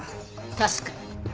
確かに。